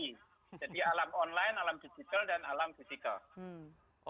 jadi alam online alam digital dan alam physical